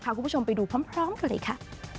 คุณผู้ชมไปดูพร้อมกันเลยค่ะ